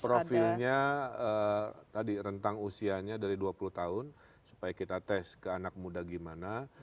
profilnya tadi rentang usianya dari dua puluh tahun supaya kita tes ke anak muda gimana